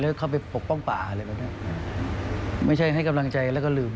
แล้วเข้าไปปกป้องป่าไม่ใช่ให้กำลังใจแล้วก็ลืม